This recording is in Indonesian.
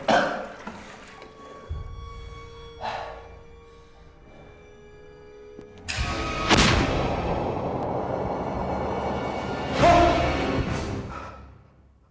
semuanya sudah tersangkutivals dua